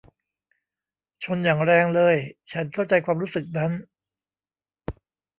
ชนอย่างแรงเลย ฉันเข้าใจความรู้สึกนั้น